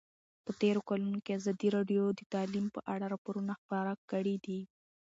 په تېرو کلونو کې ازادي راډیو د تعلیم په اړه راپورونه خپاره کړي دي.